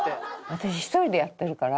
私１人でやってるから。